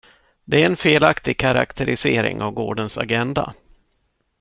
Det är en felaktig karaktärisering av gårdens agenda.